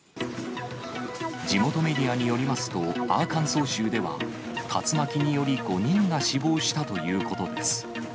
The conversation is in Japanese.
地元メディアによりますと、アーカンソー州では、竜巻により５人が死亡したということです。